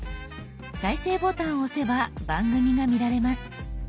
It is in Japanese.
再生ボタンを押せば番組が見られます。